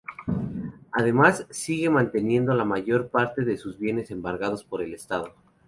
Además, sigue manteniendo la mayor parte de sus bienes embargados por el Estado.